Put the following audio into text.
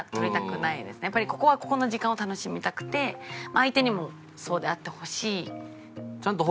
ここはここの時間を楽しみたくて相手にもそうであってほしい。